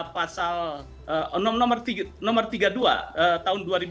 pasal nomor tiga puluh dua tahun dua ribu dua